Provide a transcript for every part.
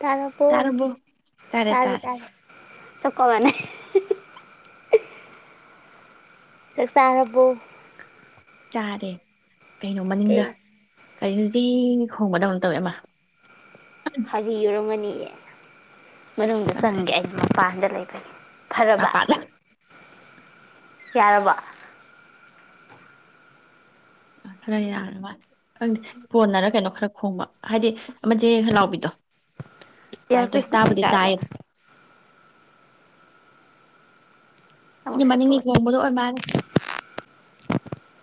ꯇꯔꯕꯣ ꯇꯥꯔꯕꯣ ꯇꯥꯔꯦ ꯇꯔꯦ ꯇꯥꯔꯦ ꯇꯔꯦ ꯀꯞꯄꯃꯅꯦ [inaudible] ꯆꯛꯆꯥꯔꯕꯣ ꯆꯥꯔꯦ ꯀꯩꯅꯣ ꯃꯅꯤꯡꯗ ꯀꯩꯅꯣꯖꯤ ꯈꯣꯡꯕꯗꯧꯅ ꯇꯧꯋꯦ ꯑꯃ ꯍꯥꯏꯗꯤ ꯌꯨꯔꯝꯒꯅꯤꯌꯦ ꯃꯅꯨꯡꯗ ꯈꯪꯗꯦ ꯆꯪꯒꯦ ꯑꯩ ꯃꯄꯥꯟꯗ [unintelligible] [unintelligible] ꯌꯥꯔꯕꯣ ꯈꯔ ꯌꯥꯔ ꯃꯥꯅꯤ ꯈꯪꯗꯦ ꯐꯣꯟꯅꯔ ꯀꯩꯅꯣ ꯈꯔ ꯈꯣꯡꯕ ꯍꯥꯏꯗꯤ ꯑꯃ ꯖꯤ ꯖꯤꯡ ꯂꯥꯎꯕꯤꯗꯣ ꯏꯌꯔ ꯑꯗꯨꯃꯥꯏꯅ ꯇꯧꯋꯦ ꯄꯤꯁꯅ ꯇꯥꯕꯨꯗꯤ ꯑꯣꯏꯖꯥꯠꯂꯣ ꯇꯥꯏꯌꯦ ꯑꯃꯨꯛ ꯑꯗꯨꯗꯤ ꯃꯅꯤꯡꯒꯤ ꯁꯠꯇꯣꯛꯑꯁꯤ ꯈꯣꯡꯕꯗꯣ ꯑꯣꯏ ꯃꯥꯜꯂꯦ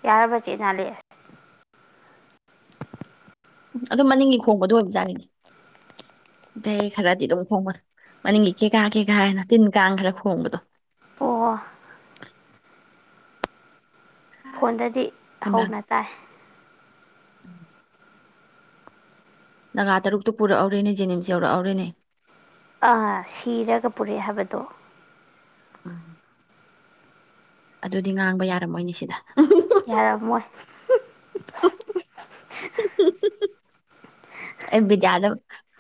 ꯌꯥꯔꯕ ꯆꯦ ꯑꯦꯅꯂꯤꯁ ꯑꯗꯨꯝ ꯃꯅꯤꯡꯒꯤ ꯈꯣꯡꯕꯗꯣ ꯑꯣꯏꯕꯖꯥꯅꯤꯅꯦ ꯗꯦ ꯈꯔꯗꯤ ꯑꯗꯨꯝ ꯈꯣꯡꯕ ꯃꯅꯤꯡꯒꯤ ꯀꯦꯀꯥ ꯀꯦꯀꯥ ꯍꯥꯏꯅ ꯇꯤꯟ ꯀꯥꯡ ꯈꯔ ꯈꯣꯡꯕꯗꯣ [unintelligible] ꯐꯣꯟꯗꯗꯤ ꯍꯩꯃꯥ ꯍꯧꯅ ꯇꯥꯏ [unintelligible] ꯅꯒꯥ ꯇꯔꯨꯛꯇꯣ ꯄꯨꯔꯛꯍꯧꯔꯦꯅꯦ ꯖꯦꯅꯤꯝꯁ ꯌꯧꯔꯛꯍꯧꯔꯦꯅꯦ ꯑ ꯁꯤꯔꯒ ꯄꯨꯔꯛꯑꯦ ꯍꯥꯏꯕꯗꯣ ꯎꯝ ꯑꯗꯨꯗꯤ ꯉꯥꯡꯕ ꯌꯥꯔꯝꯃꯣꯏꯅꯤ ꯁꯤꯗ ꯌꯥꯔ ꯃꯣꯏ [unintelligible] ꯑꯩ ꯕꯤꯗ꯭ꯌꯥꯗ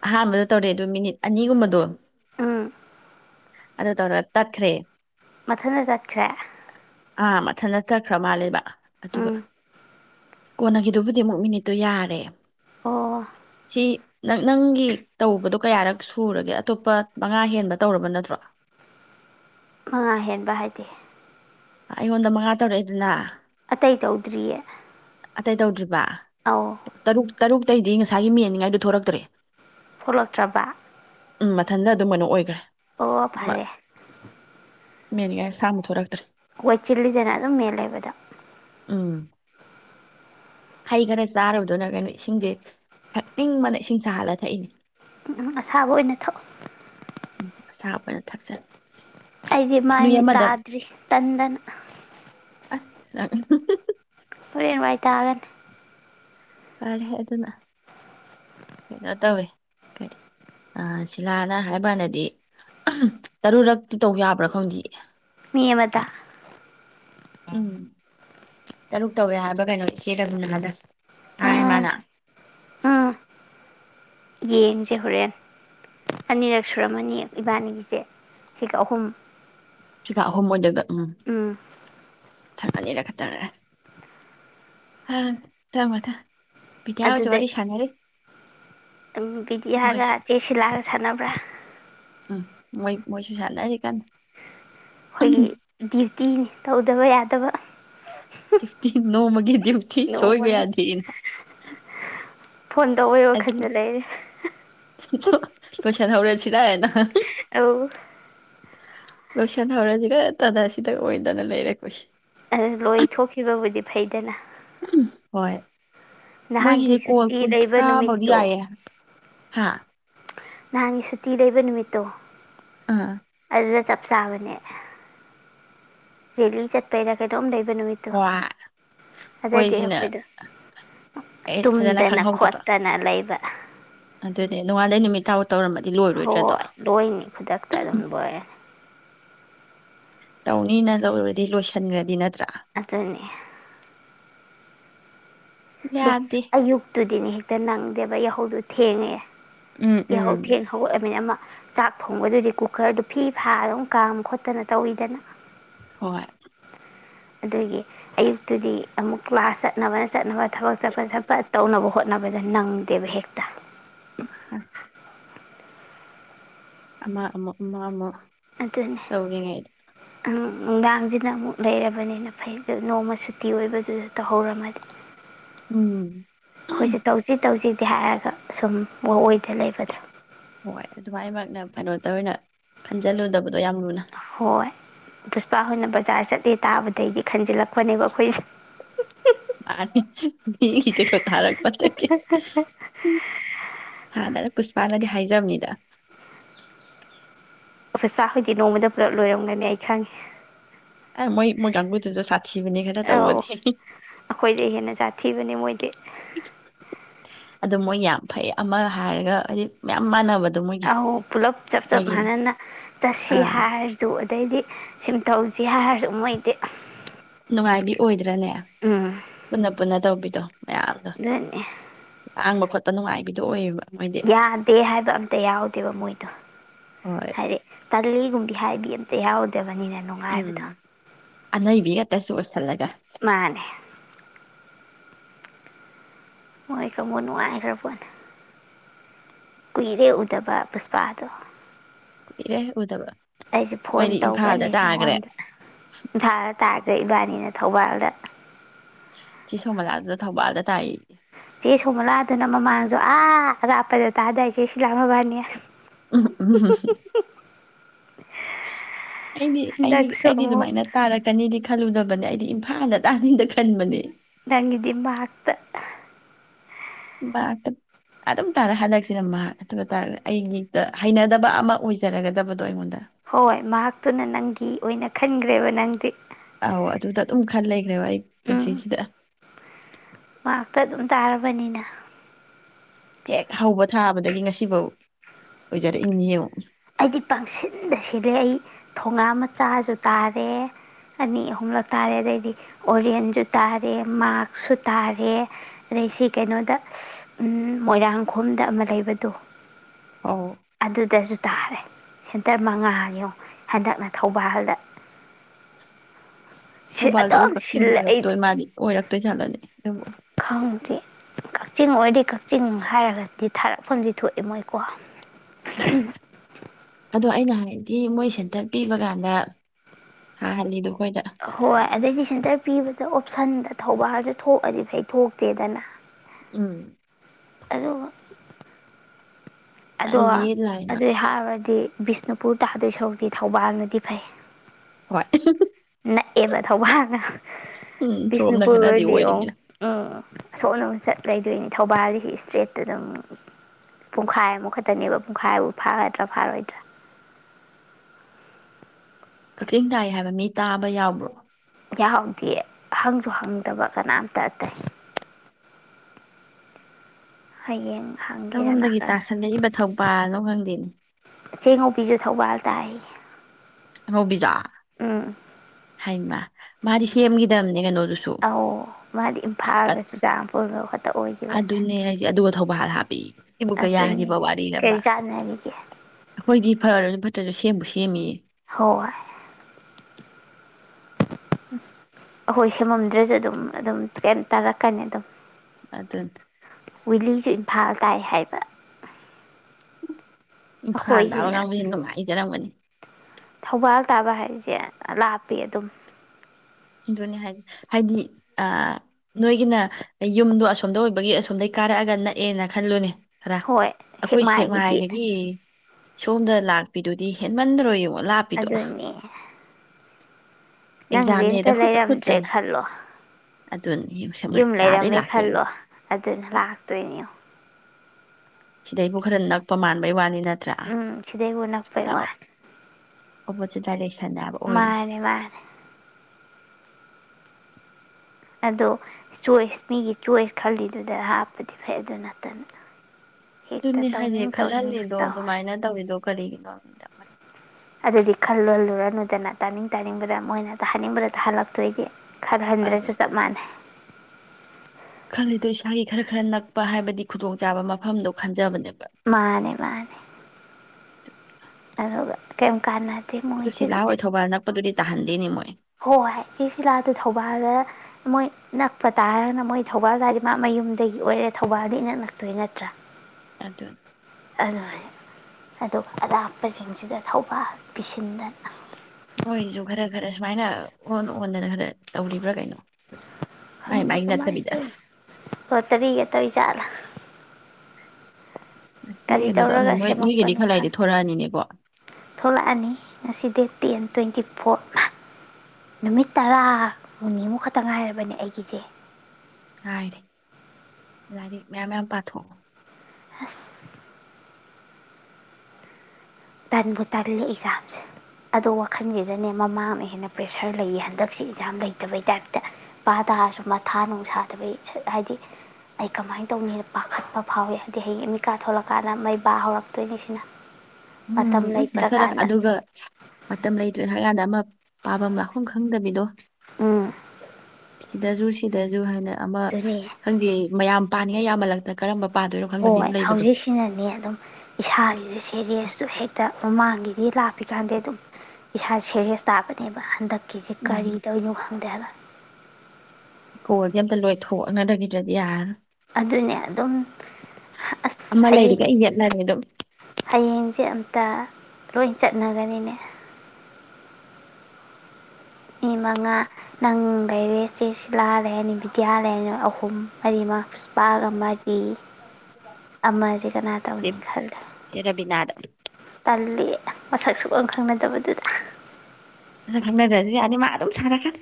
ꯑꯍꯥꯟꯕꯗ ꯇꯧꯔꯦ ꯑꯗꯨ ꯃꯤꯅꯤꯠ ꯑꯅꯤꯒꯨꯝꯕꯗꯣ ꯎꯝ ꯑꯗꯨ ꯇꯧꯔꯒ ꯇꯠꯈ꯭ꯔꯦ ꯃꯊꯟꯇ ꯇꯠꯈ꯭ꯔꯦ ꯑꯥ ꯃꯊꯟꯇ ꯆꯠꯈ꯭ꯔ ꯃꯥꯜꯂꯦꯕ ꯑꯗꯨꯒ ꯎꯝ ꯀꯣꯟꯅꯒꯤꯗꯨꯕꯨꯗꯤ ꯑꯃꯨꯛ ꯃꯤꯅꯤꯠꯇꯨ ꯌꯥꯔꯦ ꯑꯣ ꯁꯤ ꯅꯪ ꯅꯪꯒꯤ ꯇꯧꯕꯗꯣ ꯀꯌꯥꯔꯛ ꯁꯨꯔꯒꯦ ꯑꯇꯣꯞꯄ ꯃꯉꯥ ꯍꯦꯟꯕ ꯇꯧꯔꯕ ꯅꯠꯇ꯭ꯔꯣ ꯃꯉꯥ ꯍꯦꯟꯕ ꯍꯥꯏꯗꯤ ꯑꯩꯉꯣꯟꯗ ꯃꯉꯥ ꯇꯧꯔꯛꯑꯦꯗꯅ ꯑꯇꯩ ꯇꯧꯗ꯭ꯔꯤꯌꯦ ꯇꯧꯗ꯭ꯔꯤꯕ ꯑꯧ ꯕꯥ ꯇꯔꯨꯛ ꯇꯔꯨꯛ ꯑꯇꯩꯗꯤ ꯉꯁꯥꯏꯒꯤ ꯃꯦꯟꯅꯤꯡꯉꯥꯏꯗꯨ ꯊꯣꯛꯔꯛꯇ꯭ꯔꯦ ꯊꯣꯂꯛꯇ꯭ꯔꯕ ꯎꯝ ꯃꯊꯟꯇ ꯑꯗꯨꯝ ꯀꯩꯅꯣ ꯑꯣꯏꯈ꯭ꯔꯦ ꯑꯣ ꯐꯔꯦ ꯃꯦꯅꯤꯉꯥꯏ ꯑꯁꯥꯡꯕ ꯊꯣꯔꯛꯇꯔꯦ ꯋꯥꯏꯆꯤꯜꯂꯤꯗꯅ ꯑꯗꯨꯝ ꯃꯦꯜ ꯂꯩꯕꯗꯣ ꯎꯝ ꯍꯩ ꯈꯔ ꯆꯥꯔꯨꯕꯗꯨꯅ ꯀꯩꯅꯣ ꯏꯁꯤꯡꯖꯦ ꯊꯛꯅꯤꯡꯕꯅ ꯏꯁꯤꯡ ꯁꯥꯍꯜꯂ ꯊꯛꯏꯅꯦ ꯎꯝ ꯑꯁꯥꯕ ꯑꯣꯏꯅ ꯊꯛꯎ ꯎꯝ ꯑꯁꯥꯕꯅ ꯊꯛꯆꯜ ꯑꯩꯗꯤ ꯃꯥꯏ ꯃꯤꯠ ꯇꯥꯗ꯭ꯔꯤ ꯇꯟꯗꯅ ꯑꯁ ꯂꯛꯅꯤ ꯍꯨ ꯍꯨ ꯍꯣꯔꯦꯟ ꯋꯥꯏ ꯇꯥꯒꯅꯤ ꯀꯔꯤ ꯍꯥꯏ ꯑꯗꯨꯅ ꯀꯩꯅꯣ ꯇꯧꯋꯦ ꯀꯔꯤ ꯑ ꯁꯤꯂꯥꯅ ꯍꯥꯏꯕꯥꯅꯗꯤ ꯇꯔꯨꯔꯛꯇꯤ ꯇꯧ ꯌꯥꯕ꯭ꯔꯥ ꯈꯪꯗꯦ ꯃꯤ ꯑꯃꯗ ꯎꯝ ꯇꯔꯨꯛ ꯇꯧꯋꯦ ꯍꯥꯏꯕ ꯀꯩꯅꯣ ꯏꯆꯦ ꯗꯃꯨꯅꯥꯗꯥ ꯑ ꯍꯥꯏ ꯑꯥ ꯃꯥꯅ ꯑꯥ ꯌꯦꯡꯁꯦ ꯍꯣꯔꯦꯟ ꯑꯅꯤꯔꯛ ꯁꯨꯔꯝꯃꯅꯤ ꯏꯕꯥꯅꯤꯒꯤꯁꯦ ꯁꯤꯒ ꯑꯍꯨꯝ ꯁꯤꯒ ꯑꯍꯨꯝ ꯑꯣꯏꯗꯣꯏꯕ ꯎꯝ ꯊꯥ ꯑꯅꯤꯔꯛꯈꯛꯇ ꯍꯥ ꯃꯊꯪ ꯃꯊꯪ ꯕꯤꯗ꯭ꯌꯥ ꯍꯣꯏꯁꯨ ꯑꯗꯨꯗꯩ ꯋꯥꯔꯤ ꯁꯥꯟꯅꯔꯤ ꯕꯤꯗꯤꯌꯥꯒ ꯃꯣꯏꯁꯨ ꯆꯦꯁꯤꯂꯒ ꯁꯥꯟꯅꯕ꯭ꯔꯥ ꯎꯝ ꯃꯣꯏ ꯃꯣꯏꯁꯨ ꯁꯥꯟꯅꯔꯤ ꯀꯟꯅ ꯑꯩꯈꯣꯏꯒꯤ ꯗꯤꯔ ꯇꯤꯅꯤ ꯇꯧꯗꯕ ꯌꯥꯗꯕ ꯗ꯭ꯌꯨꯇꯤ ꯅꯣꯃꯒꯤ ꯗ꯭ꯌꯨꯇꯤ ꯁꯣꯏꯕ ꯅꯣꯡꯃꯒꯤ ꯌꯥꯗꯦꯅ ꯐꯣꯟ ꯇꯧꯕꯩ ꯋꯥꯈꯟꯗ ꯂꯩꯔꯦ ꯂꯣꯏꯁꯤꯟꯍꯧꯔꯁꯤꯔꯅ ꯑꯧ ꯂꯣꯏꯁꯤꯟꯍꯧꯔꯁꯤꯔ ꯇꯅ ꯁꯤꯗ ꯑꯣꯏꯗꯅ ꯂꯩꯔꯦ ꯑꯈꯣꯏꯁꯦ ꯂꯣꯏꯊꯣꯛꯈꯤꯕꯕꯨꯗꯤ ꯐꯩꯗꯅ ꯍꯣꯏ ꯅꯍꯥꯟꯒꯤ ꯃꯣꯏꯒꯤꯗꯤ ꯀꯣꯜ ꯁꯨꯇꯤ ꯂꯩꯕ ꯀꯨꯊ꯭ꯔꯥ ꯕꯥꯎꯗꯤ ꯅꯨꯃꯤꯠꯇꯣ ꯌꯥꯥꯏꯌꯦ ꯍꯥ ꯅꯍꯥꯟꯒꯤ ꯁꯨꯇꯤ ꯂꯩꯕ ꯅꯨꯃꯤꯠꯇꯣ ꯑꯥ ꯑꯗꯨꯗ ꯆꯞ ꯆꯥꯕꯅꯦ ꯔꯦꯂꯤ ꯆꯠꯄꯩꯔ ꯀꯩꯅꯣꯝ ꯂꯩ ꯅꯨꯃꯤꯠꯇꯣ ꯍꯣꯏ ꯑꯗꯨꯗꯗꯤ ꯃꯣꯏꯁꯤꯅ ꯑꯩꯈꯣꯏꯗꯣ ꯑꯩ ꯐꯖꯅ ꯇꯨꯝꯗꯅ ꯈꯪꯍꯧꯗꯕ ꯈꯣꯠꯇꯅ ꯂꯩꯕ ꯑꯗꯨꯅꯦ ꯅꯣꯉꯥꯟꯕꯗꯩ ꯅꯨꯃꯤꯠ ꯇꯥꯕ ꯇꯧꯔꯝꯃꯗꯤ ꯂꯣꯏꯔꯣꯏꯗ꯭ꯔꯗꯣ ꯍꯣꯏ ꯂꯣꯏꯅꯤ ꯈꯨꯗꯛꯇ ꯑꯗꯨꯝ ꯂꯣꯏꯔꯦ ꯇꯧꯅꯤꯅ ꯇꯧꯔꯨꯔꯗꯤ ꯂꯣꯏꯁꯤꯟꯈꯒ꯭ꯔꯗꯤ ꯅꯠꯇ꯭ꯔꯥ ꯑꯗꯨꯅꯤ ꯗꯦ ꯌꯥꯗꯦ ꯑꯌꯨꯛꯇꯨ ꯗꯤꯅꯦ ꯍꯦꯛꯇ ꯅꯪꯗꯦꯕ ꯌꯥꯍꯧꯗꯨ ꯊꯦꯡꯉꯦ ꯎꯝ ꯎꯝ ꯌꯥꯍꯧ ꯊꯦꯡ ꯍꯧꯒꯠꯂꯃꯤꯅ ꯑꯃ ꯆꯥꯛ ꯊꯣꯡꯕꯗꯨꯗꯤ ꯀꯨꯀꯔꯗꯨ ꯐꯤ ꯐꯥ ꯑꯗꯨꯝ ꯀꯥꯝ ꯈꯣꯠꯇꯅ ꯇꯧꯋꯤꯗꯅ ꯍꯣꯏ ꯑꯗꯨꯒꯤ ꯑꯌꯨꯛꯇꯨꯗꯤ ꯑꯃꯨꯛ ꯀ꯭ꯂꯥꯁ ꯆꯠꯅꯕ ꯆꯠꯅꯕ ꯊꯕꯛ ꯆꯠꯄꯅ ꯆꯠꯄ ꯇꯧꯅꯕ ꯍꯣꯠꯅꯕꯗ ꯅꯪꯗꯦꯕ ꯍꯦꯛꯇ ꯑꯃ ꯑꯃꯨꯛ ꯑꯃ ꯑꯃ ꯑꯗꯨꯅꯦ ꯎꯝ ꯅꯨꯡꯗꯥꯡꯁꯤꯅ ꯑꯃꯨꯛ ꯂꯩꯔꯕꯅꯤꯅ ꯐꯩ ꯗꯣ ꯅꯣꯡꯃ ꯁꯨꯇꯤ ꯑꯣꯏꯕꯗꯨꯗ ꯇꯧꯍꯧꯔꯝꯃꯗꯤ ꯎꯝ ꯈꯣꯏꯁꯨ ꯇꯧꯁꯤ ꯇꯧꯁꯤ ꯁꯤ ꯍꯥꯏꯔꯒ ꯁꯨꯝ [unintelligible] ꯍꯣꯏ ꯑꯗꯨꯃꯥꯏꯅꯃꯛꯅ ꯀꯅꯣꯗ ꯑꯣꯏꯅ ꯈꯟꯖꯤꯜꯂꯨꯗꯕ ꯗꯣ ꯌꯥꯝ ꯂꯨꯅ ꯄꯨꯁꯄ ꯍꯣꯏꯅ ꯕꯖꯥꯔ ꯆꯠꯂꯦ ꯇꯥꯕꯗꯩꯗꯤ ꯍꯟꯖꯤꯜꯂꯛꯄꯅꯦꯕ ꯑꯩꯈꯣꯏ [unintelligible] ꯍꯥꯏꯖꯝꯅꯤꯗ ꯑꯣꯐꯩꯖꯥ ꯍꯣꯏꯗꯤ ꯅꯣꯡꯃꯗ ꯄꯨꯂꯞ ꯂꯣꯏꯔꯝꯒꯅꯤ ꯑꯩ ꯈꯪꯉꯦ ꯑꯦ ꯃꯣꯏ ꯃꯣꯏ ꯀꯥꯡꯕꯨꯗꯨꯁꯨ ꯁꯥꯊꯤꯕꯅꯦ ꯈꯔ ꯇꯧꯕꯅꯤ ꯑꯧ ꯑꯩꯈꯣꯏꯗꯩ ꯍꯦꯟꯅ ꯁꯥꯊꯤꯕꯅꯦ ꯃꯣꯏꯗꯤ [inaudible] ꯑꯗꯣ ꯃꯣꯏ ꯌꯥꯝ ꯐꯩ ꯑꯃ ꯍꯥꯏꯔꯒ ꯍꯥꯏꯗꯤ ꯃꯌꯥꯝ ꯃꯥꯟꯅꯕ ꯑꯥꯎ ꯄꯨꯂꯞ ꯆꯞ ꯆꯞ ꯃꯥꯟꯅꯅ ꯆꯠꯁꯤ ꯑꯥ ꯍꯥꯏꯔꯁꯨ ꯑꯗꯩꯗꯤ ꯁꯤꯝꯇꯧꯁꯤ ꯍꯥꯏꯔꯁꯨ ꯃꯣꯏꯗꯤ ꯅꯨꯡꯉꯥꯏꯕꯤ ꯑꯣꯏꯗ ꯗꯅꯦ ꯎꯝ ꯄꯨꯟꯅ ꯄꯨꯟꯅ ꯇꯧꯕꯤꯗꯣ ꯃꯌꯥꯝꯗꯣ ꯑꯗꯨꯅꯦ [unintelligible] ꯈꯣꯠꯄ ꯅꯨꯉꯥꯏꯕꯤꯗꯣ ꯑꯣꯏꯌꯦꯕ ꯃꯣꯏꯗꯤ ꯌꯥꯗꯦ ꯍꯥꯏꯕ ꯑꯝꯇ ꯌꯥꯎꯗꯦꯕ ꯃꯣꯏꯗꯣ ꯍꯣꯏ ꯍꯥꯏꯗꯤ ꯇꯜꯂꯤꯒꯨꯝꯕꯤ ꯍꯥꯏꯕꯤ ꯑꯝꯇ ꯌꯥꯎꯗꯦ ꯅꯤꯅ ꯅꯨꯡꯉꯥꯏꯕꯗꯣ ꯑꯅꯩꯕꯤꯒ [unintelligible] ꯃꯥꯅꯦ ꯃꯣꯏ ꯀꯥꯡꯕꯨ ꯅꯨꯡꯉꯥꯏꯒ꯭ꯔꯄꯣꯠꯅꯤ ꯀꯨꯏꯔꯦ ꯎꯗꯕ ꯄꯨꯁꯄꯥꯗꯣ ꯀꯨꯏꯔꯦ ꯎꯗꯕ ꯑꯩꯁꯨ ꯐꯣꯟ ꯃꯣꯏꯗꯤ ꯏꯝꯐꯥꯜꯗ ꯇꯧꯕꯅꯤ ꯇꯥꯈ꯭ꯔꯦ ꯃꯉꯣꯟꯗ [unintelligible] ꯑꯗꯩ ꯏꯕꯥꯟꯅꯤꯅ ꯊꯧꯕꯥꯜꯗ ꯆꯦ ꯁꯣꯝꯃꯣꯂꯥꯖꯨ ꯊꯧꯕꯥꯜꯗ ꯇꯥꯏꯌꯦ ꯆꯦ ꯁꯣꯃꯣꯂꯥꯗꯨꯅ ꯃꯃꯥꯡꯁꯨ ꯑꯥ ꯑꯔꯥꯞꯄꯗ ꯇꯗꯥꯏ ꯆꯦ ꯁꯤꯂꯥꯥ ꯃꯕꯥꯟꯅꯤ ꯎꯝ ꯎ ꯎꯝ ꯎꯝ ꯎ ꯑꯩꯅꯦ ꯑꯩꯅꯦ ꯍꯟꯗꯛꯁꯨ ꯑꯩꯗꯤ ꯑꯃꯨꯛ ꯑꯗꯨꯃꯥꯏꯅ ꯇꯥꯔꯛꯀꯅꯤꯗꯤ ꯈꯜꯂꯨꯗꯕ ꯕꯅꯦ ꯑꯩꯗꯤ ꯏꯝꯐꯥꯜꯗ ꯇꯥꯅꯤꯡꯗ ꯈꯟꯕꯅꯦ ꯅꯪꯒꯤꯗꯤ ꯃꯍꯥꯛꯇ ꯃꯍꯥꯛꯇ ꯑꯗꯨꯝ ꯇꯥꯔꯦ ꯍꯟꯗꯛꯁꯤꯅ ꯃꯍꯥꯛ ꯑꯗꯨ ꯇꯥꯔꯒ ꯑꯩꯒꯤ ꯃꯤꯠꯇ ꯍꯩꯅꯗꯕ ꯑꯃ ꯑꯣꯏꯖꯔꯒꯗꯕꯗꯣ ꯑꯩꯉꯣꯟꯗ ꯍꯣꯏ ꯃꯍꯥꯛꯇꯨꯅ ꯅꯪꯒꯤ ꯑꯣꯏꯅ ꯈꯟꯒ꯭ꯔꯦꯕ ꯅꯪꯗꯤ ꯗꯨꯝ ꯈꯜ ꯂꯩ ꯅꯦꯕ ꯑꯩ ꯎꯝ ꯄꯨꯁꯤꯁꯤꯗ ꯕꯅꯤꯅ ꯍꯦꯛ ꯍꯧꯕ ꯊꯥꯕꯗꯒꯤ ꯉꯁꯤꯐꯧ ꯑꯣꯏꯖꯔꯛꯏꯅꯤ ꯌꯦꯡꯉꯣ ꯑꯩꯗꯤ ꯄꯪꯁꯤꯟꯗ ꯁꯤꯂꯦ ꯑꯩ ꯊꯣꯉꯥ ꯃꯆꯥꯁꯨ ꯇꯥꯔꯦ ꯑꯅꯤ ꯑꯍꯨꯝꯂꯛ ꯇꯥꯔꯦ ꯑꯗꯩꯗꯤ ꯑꯣꯔꯦꯟꯁꯨ ꯇꯥꯔꯦ ꯃꯥꯔꯛꯁꯨ ꯇꯥꯔꯦ ꯑꯗꯩ ꯁꯤ ꯀꯩꯅꯣꯗ ꯃꯣꯏꯔꯥꯡꯈꯣꯝꯗ ꯑꯃ ꯂꯩꯕꯗꯣ ꯑꯧ ꯑꯗꯨꯗꯁꯨ ꯇꯥꯔꯦ ꯁꯦꯟꯇꯔ ꯃꯉꯥ ꯍꯥꯏꯌꯣ ꯍꯟꯗꯛꯅ ꯊꯧꯕꯥꯜꯗ ꯁꯤ ꯊꯧꯕꯥꯜꯗꯕꯨ ꯑꯗꯨꯝ ꯀꯛꯆꯤꯡ ꯁꯤꯜꯂꯦ ꯑꯩꯗꯤ ꯑꯣꯏꯔꯛꯇꯣꯏ ꯃꯥꯂꯤ ꯑꯣꯏꯔꯛꯇꯣꯏ ꯖꯥꯠꯂꯅꯦ ꯑꯗꯨꯕꯣ ꯈꯪꯗꯦ ꯀꯛꯆꯤꯡ ꯑꯣꯏꯔꯗꯤ ꯀꯛꯆꯤꯡ ꯍꯥꯏꯔꯒꯗꯤ ꯊꯥꯔꯛꯐꯝꯗꯤ ꯊꯣꯛꯑꯦ ꯃꯣꯏꯀꯣ ꯍꯣꯏ ꯑꯗꯣ ꯑꯩꯅ ꯍꯥꯏ ꯍꯥꯏꯗꯤ ꯃꯣꯏ ꯁꯦꯟꯇꯔ ꯄꯤꯕ ꯀꯥꯟꯗ ꯊꯥꯍꯜꯂꯤꯗꯣ ꯑꯩꯈꯣꯏꯗ ꯍꯣꯏ ꯑꯗꯩꯗꯤ ꯁꯦꯟꯇꯔ ꯄꯤꯕꯗꯣ ꯑꯣꯞꯁꯟꯗ ꯊꯧꯕꯥꯜꯖꯦ ꯊꯣꯛꯑꯗꯤ ꯐꯩ ꯊꯣꯛꯇꯦꯗꯅ ꯎꯝ ꯑꯗꯨ ꯑꯗꯣ ꯇꯜꯂꯤꯌꯦ ꯂꯥꯏꯃ ꯑꯗꯨꯏ ꯍꯥꯏꯔꯨꯔꯗꯤ ꯕꯤꯁꯅꯨꯄꯨꯔ ꯇꯥꯗꯣꯏ ꯁꯔꯨꯛꯄꯨꯗꯤ ꯊꯧꯕꯥꯜꯅꯗꯤ ꯐꯩ ꯍꯣꯏ ꯑ ꯍ ꯍꯨ ꯅꯛꯑꯦꯕ ꯊꯧꯕꯥꯜꯅ ꯎꯝ ꯁꯣꯝꯅ ꯕꯤꯁꯅꯨꯄꯨꯔ ꯈꯔꯗꯤ ꯑꯣꯏꯔꯗꯤ ꯌꯣꯡ ꯑꯣꯏꯔꯤꯃꯤꯅ ꯎꯝ ꯁꯣꯝꯗ ꯑꯃꯨꯛ ꯆꯠ ꯂꯩꯗꯣꯏꯅꯦ ꯊꯧꯕꯥꯜꯒꯤꯗꯤ ꯏꯁꯇ꯭ꯔꯦꯠꯇ ꯑꯗꯨꯝ ꯄꯨꯡꯈꯥꯏ ꯑꯃꯨ ꯈꯛꯇꯅꯦꯕ ꯄꯨꯡꯈꯥꯏꯕꯨ ꯐꯥꯒꯗ꯭ꯔꯥ ꯐꯥꯔꯣꯏꯗ꯭ꯔꯥ ꯀꯛꯆꯤꯡ ꯇꯥꯏ ꯍꯥꯏꯕ ꯃꯤ ꯇꯥꯕ ꯌꯥꯎꯕ꯭ꯔꯣ ꯌꯥꯎꯗꯦ ꯍꯪꯁꯨ ꯍꯪꯗꯕ ꯀꯅꯥꯝꯇ ꯑꯇꯩ ꯍꯌꯦꯡ ꯍꯪꯒꯦ ꯀꯅꯥ ꯀꯔꯣꯝꯗꯒꯤ ꯀꯅꯥ ꯇꯥꯁꯜꯂꯛꯏꯕ ꯊꯧꯕꯥꯜꯅꯣ ꯈꯪꯗꯦꯅꯦ ꯆꯦ ꯉꯧꯕꯤꯁꯨ ꯊꯧꯕꯥꯜ ꯇꯥꯏ ꯍꯥꯏꯌꯦ ꯑꯉꯧꯕꯤꯖꯨ ꯎꯝ ꯍꯥꯏꯃ ꯃꯥꯗꯤ ꯁꯦꯝꯈꯤꯗ꯭ꯔꯝꯅꯦ ꯀꯩꯅꯣ ꯑꯧ ꯃꯥꯗꯤ ꯏꯝꯐꯥꯜꯒ ꯆꯨꯆꯥꯝꯄꯨꯔꯒ ꯑꯗꯨꯅꯦ ꯑꯗꯨꯒ ꯊꯧꯕ ꯕꯥꯜ ꯍꯕꯤ [unintelligible] ꯏꯕꯨꯛ ꯑꯗꯨꯅꯤ ꯀꯌꯥꯔꯤꯕ ꯀꯩ ꯋꯥꯔꯤꯔꯕ ꯆꯥꯟꯅꯔꯤꯒꯦ ꯑꯩꯈꯣꯏꯗꯤ ꯐꯔꯁꯨ ꯐꯠꯇ꯭ꯔꯁꯨ ꯁꯤ ꯁꯦꯝꯕꯨ ꯁꯦꯝꯃꯤꯌꯦ ꯍꯣꯏ [inaudible] ꯑꯩꯈꯣꯏ ꯁꯦꯝꯃꯝꯗ꯭ꯔꯁꯨ ꯑꯗꯨꯝ ꯑꯗꯨꯝ ꯀꯦꯝ ꯇꯥꯔꯛꯀꯅꯤ ꯑꯗꯨꯝ ꯑꯗꯨꯗ ꯋꯤꯂꯤꯁꯦ ꯏꯝꯐꯥꯜ ꯇꯥꯏ ꯍꯥꯏꯕ ꯏꯝꯐꯥꯜ ꯇꯥꯕ ꯑꯩꯈꯣꯏꯁꯤꯅ ꯀꯥꯡꯒꯨꯗꯤ ꯅꯨꯡꯉꯥꯏꯖꯔꯝꯒꯅꯤ ꯊꯧꯕꯥꯜ ꯇꯥꯕ ꯍꯥꯏꯔꯤꯁꯦ ꯂꯥꯞꯄꯦꯑꯗꯨꯝ ꯑꯗꯨꯅꯦ ꯍꯥꯏꯗꯤ ꯍꯥꯏꯗꯤ ꯑꯥ ꯅꯣꯏꯒꯤꯅ ꯌꯨꯝꯗꯣ ꯑꯁꯣꯝꯗ ꯑꯣꯏꯕꯒꯤ ꯑꯁꯣꯝꯗꯒꯤ ꯀꯥꯔꯛꯑꯒ ꯅꯛꯑꯦꯅ ꯈꯜꯂꯨꯅꯦ ꯈꯔ ꯍꯣꯏ ꯑꯩꯈꯣꯏ ꯁꯦꯛꯃꯥꯏꯒꯤꯗꯤ ꯁꯦꯛꯃꯥꯏꯗꯒꯤ ꯁꯣꯝꯗ ꯂꯥꯛꯄꯤꯗꯨꯗꯤ ꯍꯦꯟꯃꯟꯗ꯭ꯔꯣ ꯌꯦꯡꯉꯣ ꯂꯥꯞꯄꯤꯗꯣ ꯑꯗꯨꯅꯤ ꯑꯦꯛꯖꯝꯅꯦ ꯗꯂꯩꯔꯝꯗ꯭ꯔꯦ ꯈꯜꯂꯣ ꯑꯗꯨꯅꯤ ꯌꯦꯡꯉꯨ ꯁꯦꯛꯃꯥꯏ ꯌꯨꯝ ꯑꯥꯗꯩ ꯂꯩꯔꯝꯃꯦ ꯂꯥꯛꯇꯣꯔꯤꯅꯤ ꯈꯜꯂꯣ ꯑꯗꯨꯅ ꯂꯥꯛꯇꯣꯏꯅꯤ ꯌꯦꯡꯉꯣ ꯁꯤꯗꯩꯕꯨ ꯈꯔ ꯅꯛꯄ ꯃꯥꯟꯕꯩ ꯋꯥꯅꯤꯅ ꯎꯝ ꯁꯤꯗꯩꯕꯨ ꯅꯛꯄꯩ ꯋꯥꯅꯤ ꯑꯣꯄꯣꯖꯤꯠ ꯗꯥꯏꯔꯦꯛꯁ ꯈꯦꯠꯅꯕ ꯑꯣꯏꯔꯤꯁꯤ [inaudible] ꯃꯥꯅꯦ ꯑꯗꯣ ꯆꯣꯏꯁ ꯄꯤꯒꯤ ꯆꯣꯏꯁ ꯈꯜꯂꯤꯗꯨꯗ ꯍꯥꯞꯄꯗꯤ ꯐꯩ ꯑꯗꯨ ꯅꯠꯇꯅ ꯍꯦꯛꯇ ꯑꯗꯨꯅꯤ ꯍꯥꯏꯗꯤ ꯇꯧꯅꯤꯡ ꯇꯧꯅꯤꯡꯕ ꯈꯜꯍꯜꯂꯤꯗꯣ ꯇꯧ ꯑꯗꯨꯃꯥꯏꯅ ꯇꯧꯋꯤꯗꯣ ꯀꯔꯤꯒꯤꯅꯣꯃꯤꯗ ꯑꯗꯨꯗꯤ ꯈꯜ ꯂꯣꯜꯂꯨꯔꯅꯨꯗꯅ ꯇꯥꯅꯤꯡ ꯇꯥꯅꯤꯡꯕꯗ ꯃꯣꯏꯅ ꯇꯥꯍꯟꯅꯤꯡꯕꯗ ꯇꯥꯍꯜꯂꯛꯇꯣꯏꯗꯤ ꯈꯔ ꯑꯗꯨ ꯍꯟꯗ꯭ꯔꯁꯨ ꯆꯞ ꯃꯥꯟꯅꯩ ꯈꯜꯂꯤꯗꯣ ꯏꯁꯥꯒꯤ ꯈꯔ ꯈꯔ ꯅꯛꯄ ꯍꯥꯏꯕꯗꯤ ꯈꯨꯗꯣꯡꯆꯥꯥꯕ ꯃꯐꯝꯗꯣ ꯈꯟꯖꯕꯅꯦꯕ ꯃꯥꯅꯦ ꯃꯥꯅꯦ [inaudible] ꯑꯗꯨꯒ ꯀꯩꯝ ꯀꯥꯟꯅꯦ ꯑꯗꯨ ꯁꯤ ꯂꯥ ꯑꯣꯏ ꯊꯧꯕꯕꯥꯜ ꯅꯛꯄꯗꯨꯗꯤ ꯇꯍꯥꯟꯗꯦꯅꯦ ꯃꯣꯏ ꯍꯣꯏ ꯍꯣꯏ ꯆꯦꯁꯤꯂꯥꯗꯣ ꯊꯧꯕꯥꯜꯗ ꯃꯣꯏ ꯅꯛꯄ ꯇꯥꯔꯒꯅ ꯃꯣꯏ ꯊꯧꯕꯥꯜꯗꯗ ꯇꯥꯔꯥꯗꯤ ꯃꯥ ꯃꯌꯨꯝꯗꯒꯤ ꯑꯣꯏꯔꯦ ꯊꯧꯕꯥꯜꯗꯤ ꯏ ꯅꯛ ꯅꯛꯇꯣꯏ ꯅꯠꯇ꯭ꯔꯥ ꯑꯗꯨꯅ ꯑꯗꯨꯅꯦ ꯑꯗꯨ ꯑꯗ ꯄꯁꯤꯡꯁꯤꯗ ꯊꯧꯕꯥꯜ ꯄꯤꯁꯤꯟꯗꯅ ꯃꯣꯏꯁꯨ ꯈꯔ ꯈꯔ ꯁꯨꯃꯥꯏꯅ ꯑꯣ ꯃꯥꯏ ꯈꯪꯗꯤ ꯃꯥꯏ ꯀꯃꯥꯏꯅ ꯅꯠꯇꯕꯤꯗ ꯇꯧꯔꯤꯅꯣ ꯂꯣꯇꯔꯤꯒ ꯇꯧꯏ ꯆꯥꯠꯂ ꯉꯁꯤ ꯀꯔꯤ ꯀꯩꯅꯣꯗꯣ ꯑꯗꯨꯅ ꯇꯧꯔꯒ ꯅꯣꯏ ꯅꯣꯏꯒꯤꯗꯤ ꯁꯦꯝꯃꯛꯄꯅꯣ ꯈꯔ ꯂꯩꯔꯗꯤ ꯈꯪꯗꯦ ꯊꯣꯔꯛꯑꯅꯤꯅꯦꯀꯣ ꯊꯣꯛꯂꯛꯑꯅꯤ ꯉꯁꯤꯗꯤ ꯇꯦꯟ ꯇ꯭ꯋꯦꯟꯇꯤ ꯐꯣꯔꯠ ꯅꯨꯃꯤꯠ ꯇꯔꯥꯃꯅꯤꯃꯨꯛ ꯈꯛꯇꯪ ꯉꯥꯏꯔꯕꯅꯦ ꯑꯩꯒꯤꯁꯦ ꯉꯥꯏꯔꯦ ꯂꯥꯏꯔꯤꯛ ꯃꯌꯥꯝ ꯃꯌꯥꯝ ꯄꯥꯊꯣꯛꯑꯣ ꯍꯁ ꯇꯟꯕꯨ ꯇꯜꯜꯂꯤ ꯑꯦꯛꯖꯥꯝꯁꯦ ꯑꯗꯣ ꯋꯥꯈꯜꯁꯤꯗꯅꯦ ꯃꯃꯥꯡ ꯍꯦꯟꯅ ꯄ꯭ꯔꯦꯁꯔ ꯂꯩꯌꯦ ꯍꯟꯗꯛꯁꯤ ꯑꯦꯛꯖꯥꯝ ꯂꯩꯇꯕꯩ ꯇꯥꯏꯞꯇ ꯄꯥ ꯇꯥꯔꯁꯨ ꯃꯊꯥ ꯅꯨꯡꯁꯥꯗꯕꯩ ꯍꯥꯏꯗꯤ ꯑꯩ ꯀꯃꯥꯏꯅ ꯇꯧꯅꯤꯅ ꯄꯥꯈꯠꯄ ꯐꯥꯎꯋꯤ ꯍꯥꯏꯗꯤ ꯍꯌꯦꯡ ꯑꯦꯃꯤꯀꯥꯠ ꯊꯣꯛꯂꯛꯀꯥꯟꯗ ꯃꯩ ꯕꯥ ꯍꯧꯔꯛꯇꯣꯏꯅꯤ ꯁꯤꯅ ꯎꯝ ꯃꯇꯝ ꯎꯝ ꯅꯛꯁꯜꯂꯛ ꯂꯩꯇ꯭ꯔꯀꯥꯟꯗ ꯑꯗꯨꯒ ꯃꯇꯝ ꯂꯩꯇ꯭ꯔꯦꯅ ꯍꯥꯏꯀꯥꯟꯗ ꯑꯃ ꯄꯥꯐꯝꯂꯛꯐꯝ ꯈꯪꯗꯕꯤꯗꯣ ꯎꯝ ꯁꯤꯗꯥꯖꯨ ꯁꯤꯗꯥꯖꯨ ꯍꯥꯏꯅ ꯑꯃ ꯑꯗꯨꯅꯤ ꯈꯪꯗꯦ ꯃꯌꯥꯝ ꯄ ꯌꯥꯝꯃꯜꯅꯛꯇ ꯀꯔꯝꯕ ꯄꯥꯗꯣꯏꯅꯣ ꯈꯪꯗꯕꯤ ꯍꯣꯏ ꯑꯃ ꯂꯩꯕꯗꯣ ꯍꯧꯖꯤꯛꯁꯤꯅꯅꯦ ꯑꯗꯨꯝ ꯏꯁꯥꯁꯤꯁꯨ ꯁꯦꯔꯤꯌꯁ ꯁꯨ ꯍꯦꯛꯇ ꯃꯃꯥꯡꯒꯤꯗꯤ ꯂꯥꯞꯄꯤ ꯀꯥꯟꯗ ꯑꯗꯨꯝ ꯏꯁꯥ ꯁꯦꯔꯤꯌꯁ ꯇꯥꯕꯅꯦꯕ ꯍꯟꯗꯛ ꯀꯤꯁꯦ ꯎꯝ ꯀꯔꯤꯇꯩꯅꯣ ꯍꯪ ꯗꯦ ꯍꯥꯕ ꯀꯣꯜꯁꯦ ꯑꯝꯇ ꯂꯣꯏꯊꯣꯛ ꯅꯗꯒꯤꯗ꯭ꯔꯗꯤ ꯌꯥꯔꯔꯣꯏ ꯑꯗꯨꯅꯦ ꯑꯗꯨꯝ ꯑꯁ ꯑꯃ ꯂꯩꯔꯤꯒ ꯍꯌꯦꯡꯁꯦ ꯑꯩ ꯌꯦꯠꯅꯔꯦ ꯑꯗꯨꯝ ꯍꯌꯦꯡꯁꯦ ꯑꯝ ꯇ ꯂꯣꯏ ꯆꯠꯅꯒꯅꯤꯅꯦ ꯃꯤ ꯃꯉꯥ ꯅꯪ ꯂꯩꯔꯦ ꯆꯦꯁꯤꯂꯥ ꯂꯩꯔꯅꯤ ꯕꯤꯗ꯭ꯌꯥ ꯂꯩꯔꯅꯤ ꯑꯍꯨꯝ ꯃꯔꯤ ꯃꯉꯥ ꯄꯥꯛ ꯑꯃꯒꯤ ꯑꯃꯖꯤ ꯀꯅꯥ ꯆꯦ ꯇꯧꯅꯤ ꯈꯜꯂꯣ ꯆꯦ ꯔꯕꯤꯅꯥꯗ ꯇꯜꯂꯤ ꯃꯁꯛ ꯁꯨꯛꯈꯪ ꯈꯪꯅꯗꯕꯗꯨꯗ ꯃꯁꯛ ꯈꯪꯅꯗ꯭ꯔꯁꯨ ꯌꯥꯅꯤ ꯃꯥ ꯑꯗꯨꯝ ꯁꯥꯔꯛꯀꯅꯤ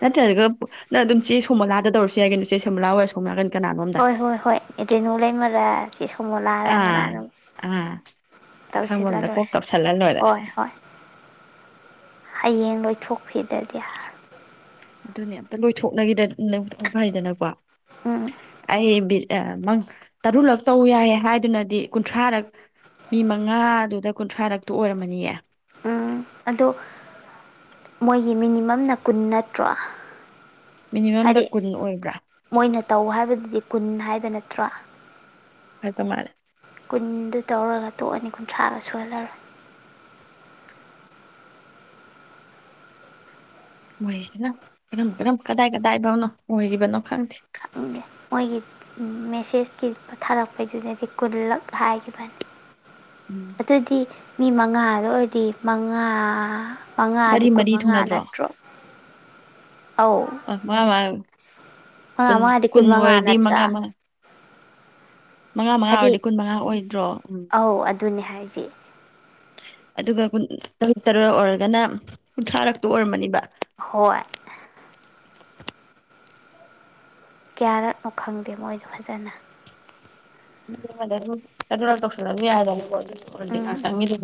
ꯅꯠꯇ꯭ꯔꯒ ꯅꯪ ꯑꯗꯨꯝ ꯆꯦ ꯁꯣꯃꯣꯂꯥꯗ ꯇꯧꯔꯁꯨ ꯌꯥꯏ ꯀꯩꯅꯣ ꯆꯦ ꯁꯣꯃꯣꯂꯥ ꯍꯣꯏ ꯁꯣꯝ ꯅꯥꯀꯟ ꯍꯣꯏ ꯍꯣꯏ ꯍꯣꯏ ꯑꯗꯨ ꯅꯨꯡꯂꯩꯃꯔꯥ ꯆꯦ ꯁꯨꯝꯃꯣꯜꯂꯥꯔ ꯑꯥ ꯀꯅꯥꯅꯝ ꯑꯥ ꯑꯈꯪꯕ ꯇꯧꯁꯤꯜꯂ ꯑꯝꯗ ꯀꯣꯛ ꯂꯣꯏꯔꯦ ꯇꯧꯁꯜꯂ ꯂꯣꯏꯔꯦ ꯍꯣꯏ ꯍꯣꯏ ꯍꯌꯦꯡ ꯂꯣꯏ ꯊꯣꯛꯈꯤꯗꯗꯤ [unintelligible] ꯑꯗꯨꯅꯦ ꯑꯝꯇ ꯂꯣꯏꯊꯣꯛꯅꯒꯤꯗ [unintelligible] ꯐꯩꯔꯦꯗꯅꯀꯣ ꯎꯝ ꯑꯩ ꯕꯤꯠ ꯃꯪ ꯇꯔꯨꯂꯛ ꯇꯧ ꯌꯥꯏꯌꯦ ꯍꯥꯏꯗꯨꯅꯗꯤ ꯀꯨꯟꯊ꯭ꯔꯥꯔꯛ ꯃꯤ ꯃꯉꯥꯗꯨꯗ ꯀꯨꯟꯊ꯭ꯔꯥꯔꯛꯇꯨ ꯑꯣꯏꯔꯝꯃꯅꯤꯌꯦ ꯎꯝ ꯑꯗꯣ ꯃꯣꯏꯒꯤ ꯃꯤꯅꯤꯃꯝꯅ ꯀꯨꯟ ꯅꯠꯇ꯭ꯔꯣ ꯃꯤꯅꯤꯃꯝꯗ ꯍꯥꯏꯗꯤ ꯀꯨꯟ ꯑꯣꯏꯕ꯭ꯔꯥ ꯃꯣꯏꯅ ꯇꯧ ꯍꯥꯏꯕꯗꯨꯗꯤ ꯀꯨꯟ ꯍꯥꯏꯕ ꯅꯠꯇ꯭ꯔꯣ ꯍꯥꯏꯕ ꯃꯥꯜꯂꯦ ꯀꯨꯟꯗ ꯇꯧꯔꯒ ꯇꯣꯛꯑꯅꯤ ꯀꯨꯟꯊ꯭ꯔꯥꯒ ꯁꯨꯍꯜꯂꯔꯣꯏ ꯃꯣꯢꯁꯤꯅ ꯀꯔꯝ ꯀꯔꯝ ꯀꯗꯥꯏ ꯀꯗꯥꯏ ꯐꯥꯎꯅꯣ ꯑꯣꯏꯔꯤꯕꯅꯣ ꯈꯪꯗꯦ ꯈꯪꯗꯦ ꯃꯣꯏꯒꯤ ꯃꯦꯁꯦꯖ ꯀꯤ ꯄꯣ [unintelligible] ꯊꯥꯔꯛꯄꯩꯗꯨꯗꯗꯤ ꯀꯨꯜꯂꯛ ꯍꯥꯏꯈꯤꯕꯅꯤ ꯎꯝ ꯑꯗꯨꯗꯤ ꯃꯤ ꯃꯉꯥꯗ ꯑꯣꯏꯗꯤ ꯃꯉꯥ ꯃꯉꯥꯗꯤ ꯃꯔꯤ ꯀꯨꯟ ꯃꯔꯤ ꯃꯉꯥ ꯊꯨꯡꯅꯗ꯭ꯔꯣ ꯅꯠꯇ꯭ꯔꯣ ꯑꯧ ꯑ ꯃꯉꯥ ꯃꯉꯥ ꯑ ꯀꯨꯟ ꯃꯥꯗꯤ ꯀꯨꯟ ꯀꯨꯟꯃꯉꯥ ꯑꯣꯏꯔꯗꯤ ꯅꯠꯇ꯭ꯔ ꯃꯉꯥ ꯃꯉꯥ ꯃꯉꯥ ꯃꯉꯥ ꯑꯣꯏꯔꯗꯤ ꯀꯨꯟ ꯃꯉꯥ ꯑꯣꯏꯅꯤ ꯗ꯭ꯔꯣ ꯑꯎ ꯑ ꯑꯗꯨꯅꯤ ꯍꯥꯏꯁꯦ ꯑꯗꯨꯒ ꯀꯨꯟ ꯇꯔꯨꯛ ꯇꯔꯛ ꯑꯣꯏꯔꯒꯅ ꯀꯨꯟꯊ꯭ꯔꯥꯔꯛꯇꯣ ꯑꯣꯏꯔꯝꯃꯅꯤꯕ ꯍꯣꯏ ꯀꯌꯥꯔꯛꯅꯣ ꯈꯪꯗꯦ ꯃꯣꯏꯗꯣ ꯐꯖꯅ ꯅꯨꯄꯤ ꯑꯃꯗ ꯗꯨꯝ ꯇꯔꯨꯛꯂꯛ ꯇꯧꯁꯜꯂꯁꯨ ꯌꯥꯏꯗꯅ ꯀꯣ ꯍꯣ ꯄꯩꯁꯥ ꯎꯝ ꯆꯪꯉꯤꯗꯨꯕꯨ